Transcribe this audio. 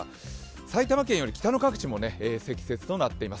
埼玉県より北の各地も積雪となっています。